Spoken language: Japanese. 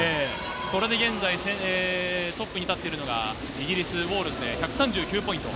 これで現在トップに立っているのがイギリス、ウォールズで１３９ポイント。